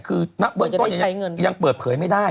เขาบอกว่ารายละเอียดน่ะเบื้องต้นยังเปิดเผยไม่ได้